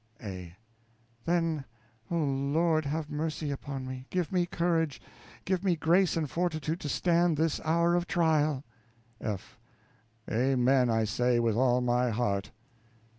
A. Then, O Lord, have mercy upon me; give me courage, give me grace and fortitude to stand this hour of trial. F. Amen, I say, with all my heart.